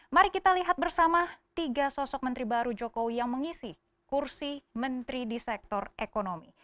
mari kita lihat bersama tiga sosok menteri baru jokowi yang mengisi kursi menteri di sektor ekonomi